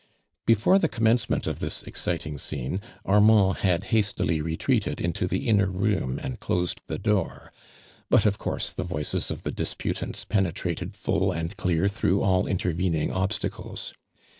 Before the commencement of (his exciting scene, Armand had hastily retreated into the inner room and closed the door, but of course the voices of the disputants penetrat ed full and clear through all intervening obstacles.